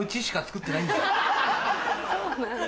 そうなんだ。